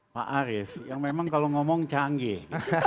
pak arief yang memang kalau ngomong canggih